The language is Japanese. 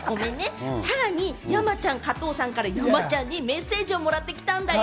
さらに山ちゃん、加藤さんから山ちゃんにメッセージもらってきたんだよ。